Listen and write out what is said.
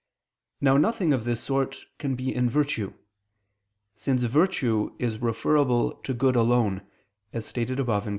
Now nothing of this sort can be a virtue: since virtue is referable to good alone, as stated above (Q.